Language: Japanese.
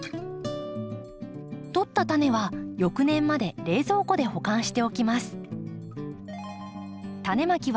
とった種は翌年まで冷蔵庫で保管しておきます。